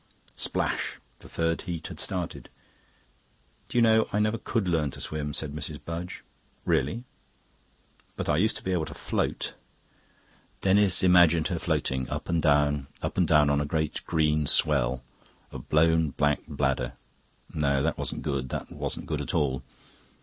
Splash! The third heat had started. "Do you know, I never could learn to swim," said Mrs. Budge. "Really?" "But I used to be able to float." Denis imagined her floating up and down, up and down on a great green swell. A blown black bladder; no, that wasn't good, that wasn't good at all.